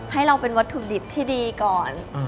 ให้เราเป็นวัตถุดิบที่ดีก่อน